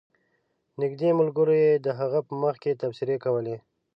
نږدې ملګرو یې د هغه په مخ کې تبصرې کولې.